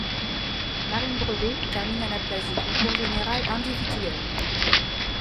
Marine Brevet termine à la place du concours général individuel.